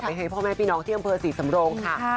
ให้พ่อแม่พี่น้องที่อำเภอศรีสำโรงค่ะ